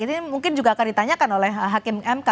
ini mungkin juga akan ditanyakan oleh hakim mk